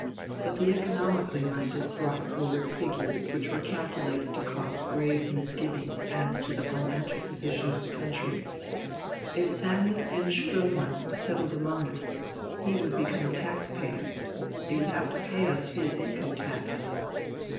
But the economically minded brought forward figures which were calculated to cause grave misgivings as to the financial position of the country. If Samuel N. Spoelmann settled among us, he would become a tax payer he would have to pay us his income tax.